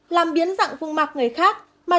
b làm biến dạng vùng mặt người khác